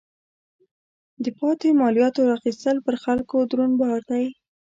د پاتې مالیاتو اخیستل پر خلکو دروند بار دی.